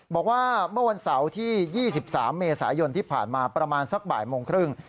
บอกว่าเมื่อวันเสาร์ที่๒๓เมษายนที่ผ่านมาประมาณสักบ่ายโมงครึ่ง